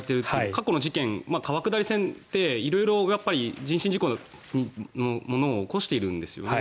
過去の事件、川下り船って色々、人身事故のものを起こしているんですよね。